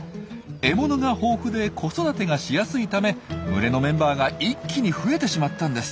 獲物が豊富で子育てがしやすいため群れのメンバーが一気に増えてしまったんです。